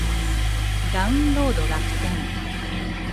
ダウンロード楽天